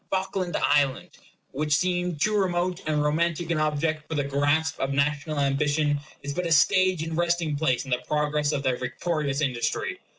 Falkland Island, which seemed too remote and romantic an object for the grasp of national ambition, is but a stage and resting place in the progress of their victorious industry.